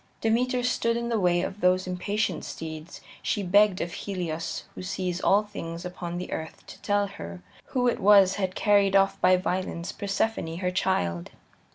Demeter stood in the way of those impatient steeds; she begged of Helios who sees all things upon the earth to tell her who it was had carried off by violence, Persephone, her child.